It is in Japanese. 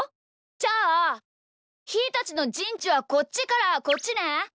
じゃあひーたちのじんちはこっちからこっちね。